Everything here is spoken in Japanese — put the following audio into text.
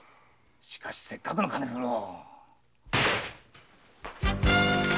しかしせっかくの金づるを。